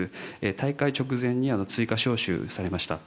大会直前に追加招集されました。